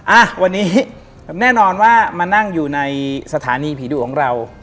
อ่ะวันนี้แน่นอนว่ามานั่งอยู่ในสถานีผีดุของเรา